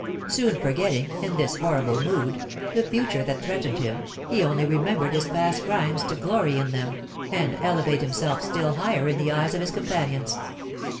Soon forgetting, in this horrible mood, the future that threatened him, he only remembered his past crimes to glory in them, and elevate himself still higher in the eyes of his companions.